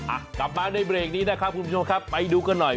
อ่ะกลับมาในเบรกนี้นะครับคุณผู้ชมครับไปดูกันหน่อย